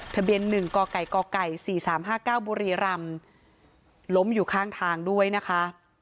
ทะเบียน๑กไก่กไก่๔๓๕๙บุรีรำล้มอยู่ข้างทางด้วยนะคะ